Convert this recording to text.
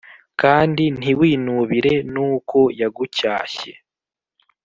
kandi ntiwinubire nuko yagucyashye,